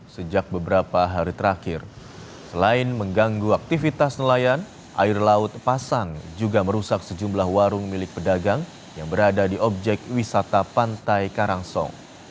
sejak beberapa hari terakhir selain mengganggu aktivitas nelayan air laut pasang juga merusak sejumlah warung milik pedagang yang berada di objek wisata pantai karangsong